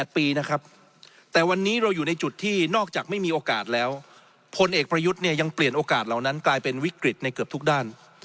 แต่วันนี้เราอยู่ในจุดที่นอกจากไม่มีโอกาสแล้วพลเอกประยุทธ์เนี่ยยังเปลี่ยนโอกาสเหล่านั้นกลายเป็นวิกฤตในเกือบทุกด้าน